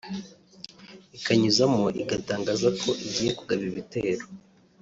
Ikanyuzamo igatangaza ko igiye kugaba ibitero